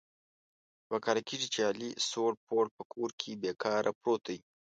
دوه کال کېږي چې علي سوړ پوړ په کور کې بې کاره پروت دی.